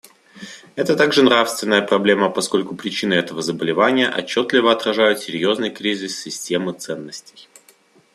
Это также нравственная проблема, поскольку причины этого заболевания отчетливо отражают серьезный кризис системы ценностей.